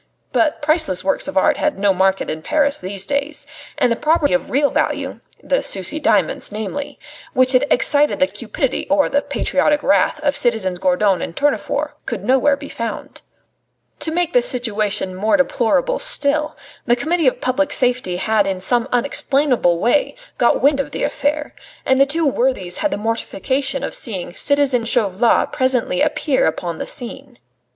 But priceless works of art had no market in Paris these days; and the property of real value the Sucy diamonds namely which had excited the cupidity or the patriotic wrath of citizens Gourdon and Tournefort could nowhere be found. To make the situation more deplorable still, the Committee of Public Safety had in some unexplainable way got wind of the affair, and the two worthies had the mortification of seeing citizen Chauvelin presently appear upon the scene.